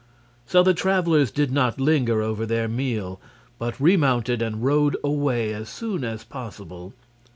So the travelers did not linger over their meal, but remounted and rode away as soon as possible.